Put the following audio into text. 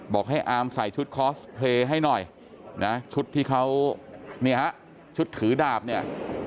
บอกให้อามใส่ชุดคอสเพลย์ให้หน่อยนะชุดที่เขาเนี่ยฮะชุดถือดาบเนี่ย